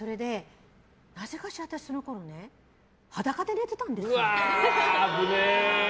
なぜかしら、私、そのころね裸で寝てたんですよ。